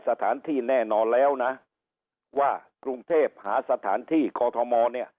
สถานที่แน่นอนแล้วนะว่ากรุงเทพหาสถานที่กอทมเนี่ย